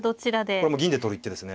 これはもう銀で取る一手ですね。